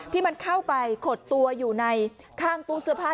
ที่มันเข้าไปขดตัวอยู่ในข้างตู้เสื้อผ้า